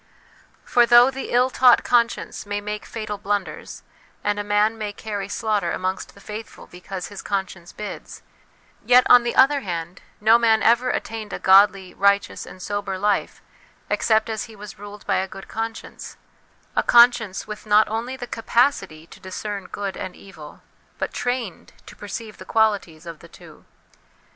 For though the ill taught 334 HOME EDUCATION conscience may make fatal blunders, and a man may carry slaughter amongst the faithful because his con science bids; yet, on the other hand, no man ever attained a godly, righteous, and sober life except as he was ruled by a good conscience a conscience with not only the capacity to discern good and evil, but trained to perceive the qualities of the two.